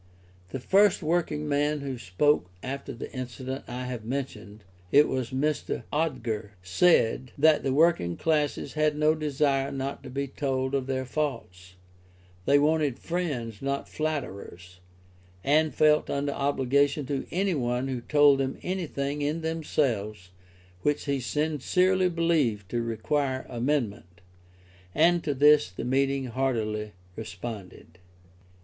The first working man who spoke after the incident I have mentioned (it was Mr. Odger) said, that the working classes had no desire not to be told of their faults; they wanted friends, not flatterers, and felt under obligation to any one who told them anything in themselves which he sincerely believed to require amendment. And to this the meeting heartily responded.